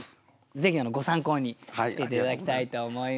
ぜひご参考にして頂きたいと思います。